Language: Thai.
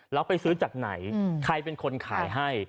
แล้วไปซื้อจากไหนใครเป็นคนขายให้